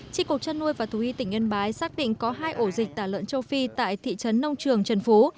trị cục chăn nuôi và thú y tỉnh yên bái xác định có hai ổ dịch tả lợn châu phi tại thị trấn nông trường trần phú